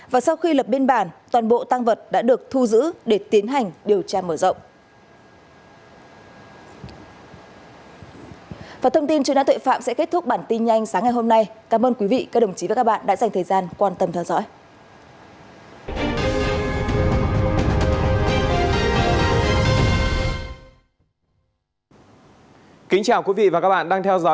và sau khi lập biên bản toàn bộ tăng vật đã được thu giữ để tiến hành điều tra mở rộng